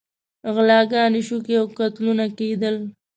غلاګانې، شوکې او قتلونه کېدل.